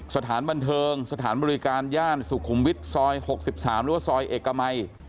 สถานบันเทิงสถานบริการย่านสุขุมวิทย์ซอย๖๓หรือว่าซอยเอกมัย